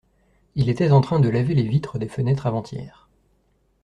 Il était en train de laver les vitres des fenêtres avant-hier.